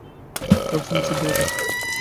সবসময়ই ছিদ্র থাকে।